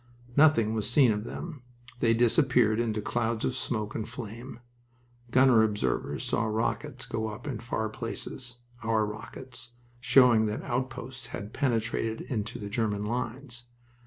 Nothing was seen of them. They disappeared into clouds of smoke and flame. Gunner observers saw rockets go up in far places our rockets showing that outposts had penetrated into the German lines.